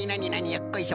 よっこいしょ。